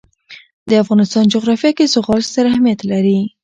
د افغانستان جغرافیه کې زغال ستر اهمیت لري.